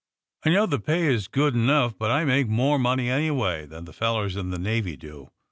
I know the pay is good enough, but I make more money, anyway, than the fellers in the Navy do.